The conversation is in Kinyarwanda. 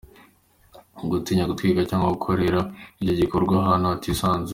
Gutinya gutwita cyangwa gukorera icyo gikorwa ahantu hatisanzuye.